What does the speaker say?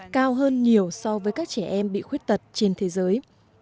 cao hơn nhiều so với các trẻ em bị khuyết tật trên thế giới